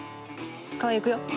川合行くよ。